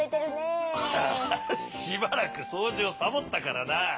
しばらくそうじをサボったからな。